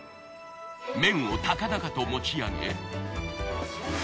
麺を高々と持ち上げ。